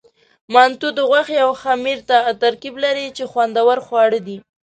منتو د غوښې او خمیر ترکیب لري، چې خوندور خواړه دي.